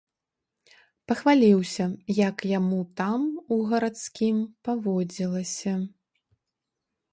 Пахваліўся, як яму там, у гарадскім, паводзілася.